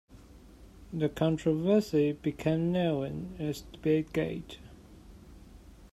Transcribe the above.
The controversy became known as Debategate.